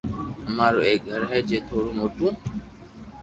امرا رو ايڪ گِر ھي جي ٿورو موٿو